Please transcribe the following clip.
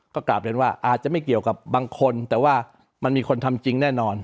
ก็กลับเรียนว่าอาจจะไม่เกี่ยวกับบางคนแต่ว่ามันมีคนทำจริงแน่นอน